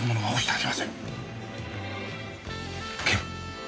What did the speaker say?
はい。